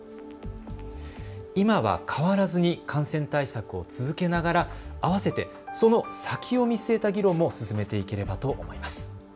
今は変わらずに感染対策を続けながらあわせて、その先を見据えた議論も進めていければと思います。